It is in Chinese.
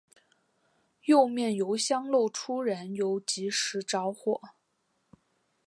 右面油箱漏出燃油即时着火。